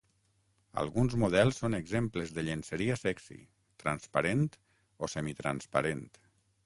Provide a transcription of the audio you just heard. Alguns models són exemples de llenceria sexi, transparent o semitransparent.